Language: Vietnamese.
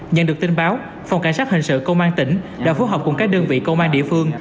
nhận được tin báo phòng cảnh sát hình sự công an tỉnh đã phối hợp cùng các đơn vị công an địa phương